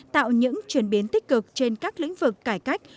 tạo những chuyển biến tích cực trên các lĩnh vực